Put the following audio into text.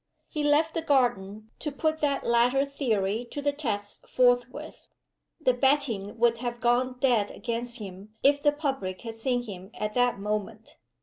He left the garden to put that latter theory to the test forthwith. The betting would have gone dead against him if the public had seen him at that moment.